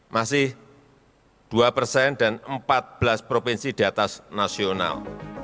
masih dua persen dan empat belas provinsi di atas nasional